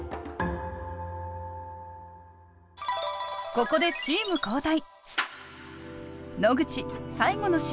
ここでチーム交代。